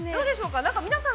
◆皆さん